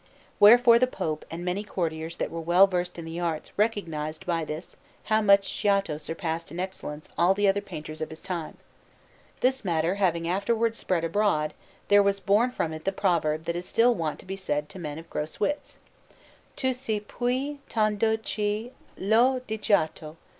Wherefore the Pope and many courtiers that were versed in the arts recognized by this how much Giotto surpassed in excellence all the other painters of his time. This matter having afterwards spread abroad, there was born from it the proverb that is still wont to be said to men of gross wits: "Tu sei più tondo che l' O di Giotto!"